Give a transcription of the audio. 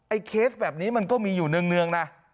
เคสแบบนี้มันก็มีอยู่เนื่องนะ